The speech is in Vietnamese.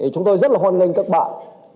chúng tôi rất là hoan nghênh các bạn